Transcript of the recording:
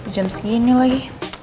jam segini lagi